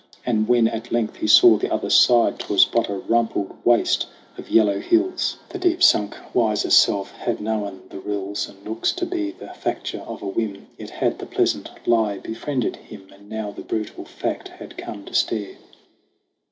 And when at length he saw the other side, 'Twas but a rumpled waste of yellow hills ! THE CRAWL 57 The deep sunk, wiser self had known the rills And nooks to be the facture of a whim ; Yet had the pleasant lie befriended him, And now the brutal fact had come to stare.